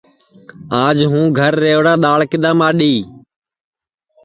آج ہوں گھر رِوڑا دؔاݪ کِدؔا ماڈؔی